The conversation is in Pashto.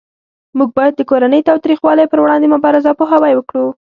موږ باید د کورنۍ تاوتریخوالی پروړاندې مبارزه او پوهاوی وکړو